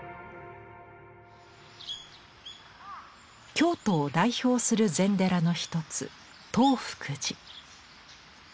京都を代表する禅寺の一つ東福寺。